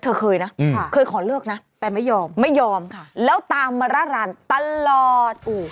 เคยนะเคยขอเลิกนะแต่ไม่ยอมไม่ยอมค่ะแล้วตามมาร่ารันตลอด